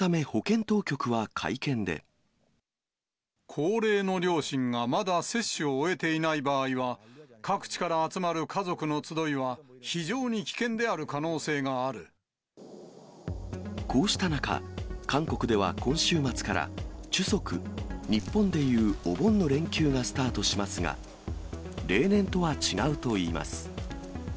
高齢の両親がまだ接種を終えていない場合は、各地から集まる家族の集いは、非常に危険であるこうした中、韓国では今週末から、チュソク、日本でいうお盆の連休がスタートしますが、例年とは違うといいます。